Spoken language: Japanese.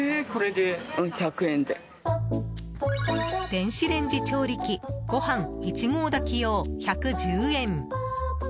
電子レンジ調理器ご飯一合炊き用、１１０円。